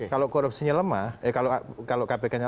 kalau korupsinya lemah kalau kpk nya